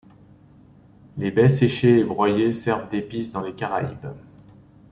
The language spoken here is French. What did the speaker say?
Les baies séchées et broyées servent d'épices dans les Caraïbes.